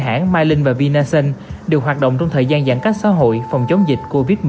hãng mai linh và vinasun đều hoạt động trong thời gian giãn cách xã hội phòng chống dịch covid một mươi chín